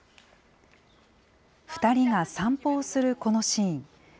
２人が散歩をするこのシーン。